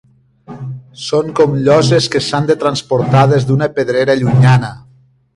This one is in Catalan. Són com lloses que s'han de transportar des d'una pedrera llunyana”.